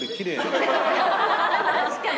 確かに！